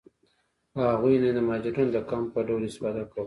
له هغو نه یې د مهاجرینو د کمپ په ډول استفاده کوله.